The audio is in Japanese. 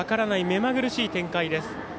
目まぐるしい展開です。